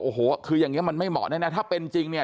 โอ้โหคืออย่างนี้มันไม่เหมาะแน่ถ้าเป็นจริงเนี่ย